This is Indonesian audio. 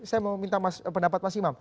saya mau minta pendapat mas imam